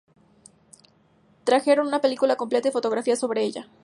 Trajeron una película completa y fotografías sobre ella.